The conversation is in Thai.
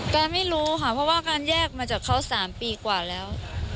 ไม่รู้ค่ะเพราะว่าการแยกมาจากเขา๓ปีกว่าแล้ว